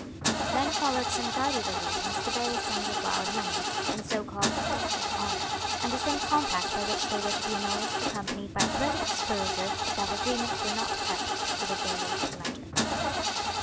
Then followed some guarded allusions to various sums of borrowed money, and so called "debts of honor," and to some compact by which they were to be annulled, accompanied by a threat of exposure if that agreement were not kept to the very letter.